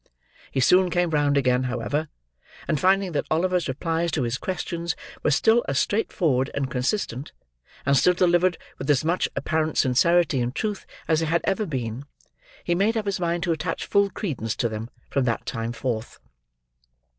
He soon came round again, however; and finding that Oliver's replies to his questions, were still as straightforward and consistent, and still delivered with as much apparent sincerity and truth, as they had ever been, he made up his mind to attach full credence to them, from that time forth.